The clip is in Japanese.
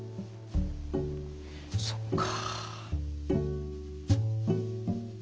そっか。